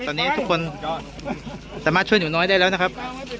ตอนนี้ทุกคนสามารถช่วยหนูน้อยได้แล้วนะครับ